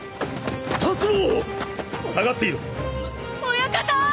親方！